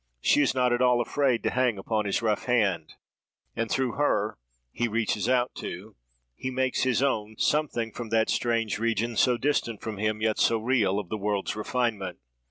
She is not at all afraid to hang upon his rough hand: and through her, he reaches out to, he makes his own, something from that strange region, so distant from him yet so real, of the world's refinement.